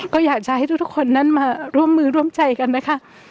ก็อยากจะให้ทุกคนนั้นมาร่วมมือร่วมใจกันนะคะ